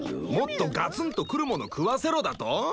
もっとガツンとくるもの食わせろだと？